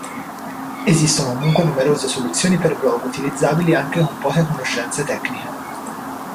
Esistono comunque numerose soluzioni per blog utilizzabili anche con poche conoscenze tecniche.